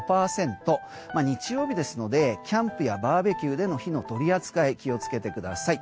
日曜日ですのでキャンプやバーベキューでの火の取り扱い気を付けてください。